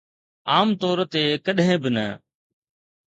عام طور تي ڪڏهن به نه.